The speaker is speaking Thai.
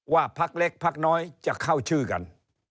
พักเล็กพักน้อยจะเข้าชื่อกัน